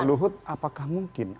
pak luhut apakah mungkin